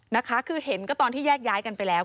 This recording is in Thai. นะคะคือเห็นก็ตอนที่แยกย้ายกันไปแล้ว